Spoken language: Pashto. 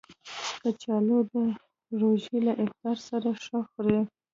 کچالو د روژې له افطار سره ښه خوري